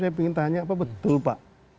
saya ingin tanya apa betul pak